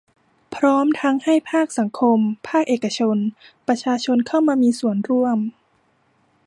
พร้อมทั้งให้ภาคสังคม ภาคเอกชน ประชาชนเข้ามามีส่วนร่วม